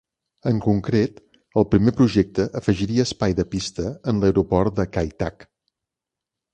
En concret, el primer projecte afegiria espai de pista en l'aeroport de Kai Tak.